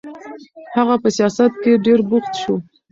هغه په سیاست کې ډېر بوخت شو.